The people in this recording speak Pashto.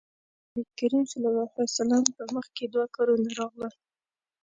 نبي کريم ص په مخکې دوه کارونه راغلل.